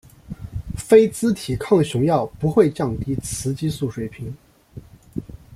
非甾体抗雄药不会降低雌激素水平。